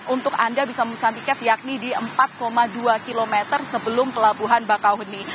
untuk anda bisa memesan tiket yakni di empat dua km sebelum pelabuhan bakauheni